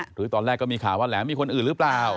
หรือตอนแรกก็มีข่าวว่าแหลมมีคนอื่นหรือเปล่า